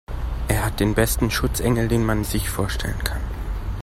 Er hat den besten Schutzengel, den man sich vorstellen kann.